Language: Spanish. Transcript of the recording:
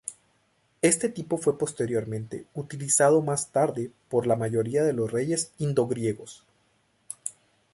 Este tipo fue posteriormente utilizado más tarde por la mayoría de los reyes indo-griegos.